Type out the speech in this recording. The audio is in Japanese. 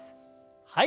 はい。